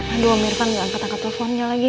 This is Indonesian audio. aduh om irfan gak angkat angkat teleponnya lagi